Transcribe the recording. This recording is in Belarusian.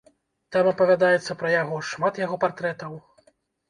Там апавядаецца пра яго, шмат яго партрэтаў.